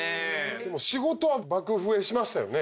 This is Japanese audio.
でも仕事は爆増えしましたよね。